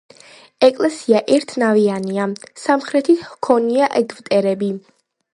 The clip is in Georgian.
ეკლესია ერთნავიანია, სამხრეთით ჰქონია ეგვტერები.